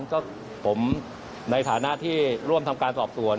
ก็ผมในฐานะที่ร่วมทำการสอบสวน